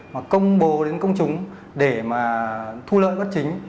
hoặc công bố đến công chúng để mà thu lợi bất chính